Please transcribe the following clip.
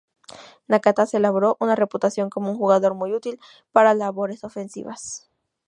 Nakata se labró una reputación como un jugador muy útil para labores ofensivas.